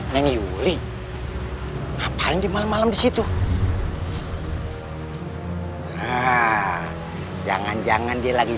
sampai jumpa lagi sampai jumpa lagi